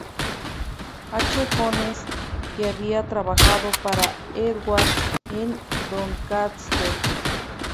H. Jones, que había trabajado para Edwards en Doncaster.